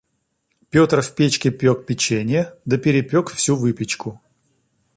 Петр в печке пёк печенье, да перепёк всю выпечку.